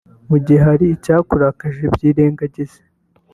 Mu gihe hari icyakurakaje byirengagize